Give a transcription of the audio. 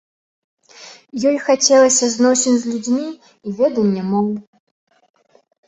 Ёй хацелася зносін з людзьмі і ведання моў.